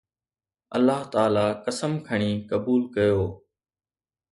الله تعاليٰ قسم کڻي قبول ڪيو